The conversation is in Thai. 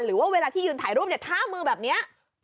หรือว่าเวลาที่ยืนถ่ายรูปเนี่ยท่ามือแบบนี้